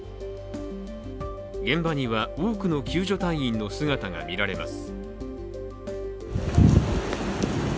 現場には多くの救助隊員の姿が見られます。